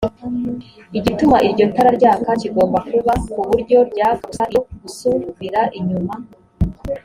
igituma iryo tara ryaka kigomba kuba ku buryo ryaka gusa iyo gusubira inyuma